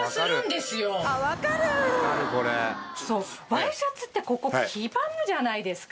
ワイシャツってここ黄ばむじゃないですか？